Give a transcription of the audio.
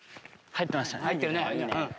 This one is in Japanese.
入ってるね。